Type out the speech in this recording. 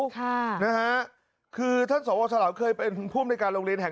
นะคะครับคือท่านศวฉลาวเคยเป็นผู้ในการโรงเรียนแห่ง